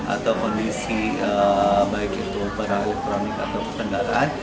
atau kondisi baik itu barang elektronik atau kendaraan